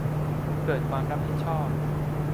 เกิดความรับผิดชอบ